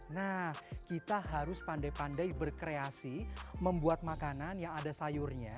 nah kita harus pandai pandai berkreasi membuat makanan yang ada sayurnya